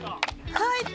入った！